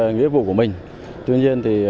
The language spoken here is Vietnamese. nghĩa vụ của mình tuy nhiên